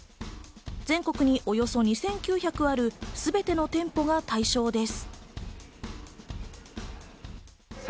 全国におよそ２９００あるすべての店舗が対象です。